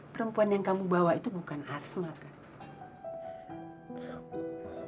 perempuan yang kamu bawa itu bukan asma kak